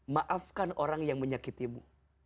maafkan orang yang menyakitimu